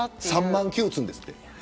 ３万球、打つんですって。